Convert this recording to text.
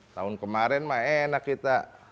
tahun kemarin mah enak kita